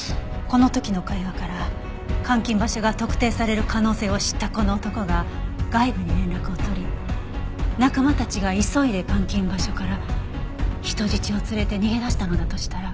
この時の会話から監禁場所が特定される可能性を知ったこの男が外部に連絡を取り仲間たちが急いで監禁場所から人質を連れて逃げ出したのだとしたら。